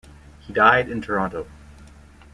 He died in Toronto.